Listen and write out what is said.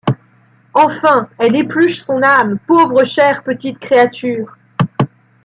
Enfin elle épluche son âme, pauvre chère petite créature!